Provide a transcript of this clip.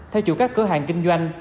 theo chủ các cửa hàng kinh doanh